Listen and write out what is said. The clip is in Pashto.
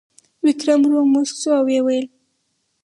ویکرم ورو موسک شو او وویل: